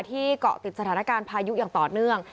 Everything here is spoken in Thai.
เกาะติดสถานการณ์พายุอย่างต่อเนื่อง